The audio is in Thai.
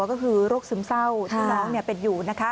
ก็คือโรคซึมเศร้าที่น้องเป็นอยู่นะคะ